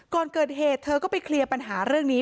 ก่อนเกิดเหตุเธอก็ไปเคลียร์ปัญหาเรื่องนี้